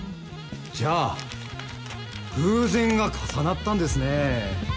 じゃあ偶然が重なったんですねぇ。